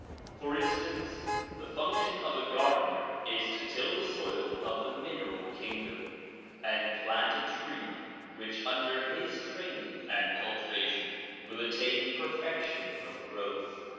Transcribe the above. For instance, the function of a gardener is to till the soil of the mineral kingdom and plant a tree which under his training and cultivation will attain perfection of growth.